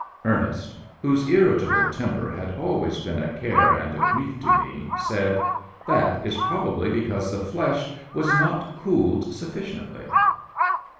Ernest, whose irritable temper had always been a care and a grief to me, said, " That is probably be cause the flesh was^not cooled sufficiently."